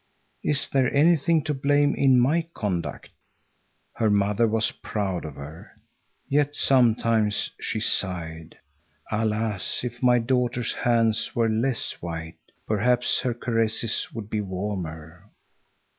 Is there anything to blame in my conduct?" Her mother was proud of her. Yet sometimes she sighed. "Alas! if my daughter's hands were less white, perhaps her caresses would be warmer!"